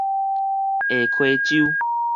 下溪洲